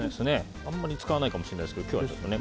あんまり使わないかもしれないですけど今日はちょっとね。